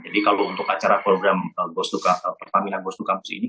jadi kalau untuk acara program pertaminaan minami nagus to campus ini